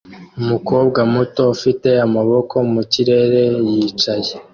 Umukobwa muto ufite amaboko mu kirere yicaye